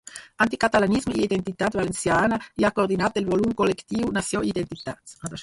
Anticatalanisme i identitat valenciana’ i ha coordinat el volum col·lectiu ‘Nació i identitats.